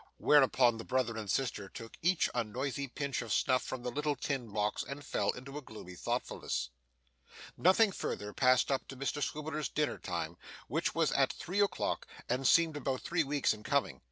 Whereupon the brother and sister took each a noisy pinch of snuff from the little tin box, and fell into a gloomy thoughtfulness. Nothing further passed up to Mr Swiveller's dinner time, which was at three o'clock, and seemed about three weeks in coming.